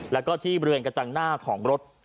แล้วก็ที่บริเวณกระจังหน้าของรถ